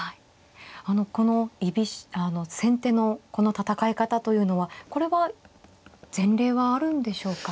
あのこの先手のこの戦い方というのはこれは前例はあるんでしょうか。